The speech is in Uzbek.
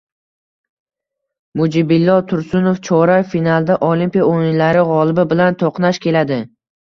Mujibillo Tursunov chorak finalda Olimpiya o‘yinlari g‘olibi bilan to‘qnash keladi